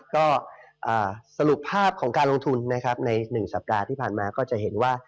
ก็สรุปภาพของการลงทุนนะครับใน๑สัปดาห์ที่ผ่านมาก็จะเห็นว่า